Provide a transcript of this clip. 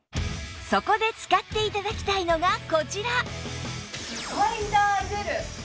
そこで使って頂きたいのがこちら